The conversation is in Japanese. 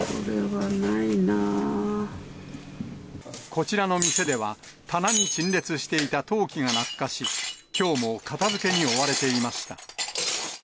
こちらの店では、棚に陳列していた陶器が落下し、きょうも片づけに追われていました。